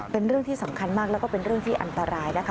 เป็นเรื่องที่สำคัญมากแล้วก็เป็นเรื่องที่อันตรายนะคะ